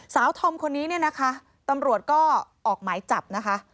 ธอมคนนี้เนี่ยนะคะตำรวจก็ออกหมายจับนะคะ